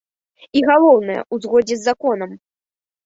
І галоўнае, у згодзе з законам.